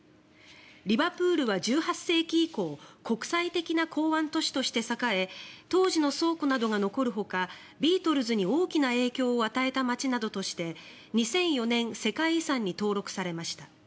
リバプールは１８世紀以降国際的な港湾都市として栄え当時の倉庫などが残るほかビートルズに大きな影響を与えた街などとして２００４年世界遺産に登録されました。